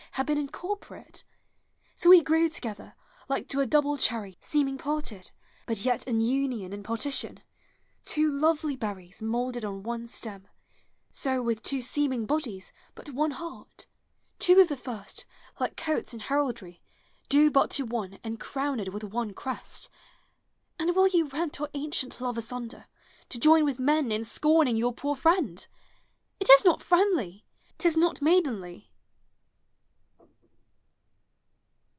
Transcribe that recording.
Had been incorporate. So we grew together, Like to a double cherry, seeming parted, Hut yet an union in partition, Two lovely berries moulded on one stem; So, with two seeming bodies, but one heart; Two of the first, like coats in heraldry Due but to one and crowned with one crest. And will you rent our ancient love asunder, To join with men in scorning your poor friend? It is not friendly, t is not maidenly.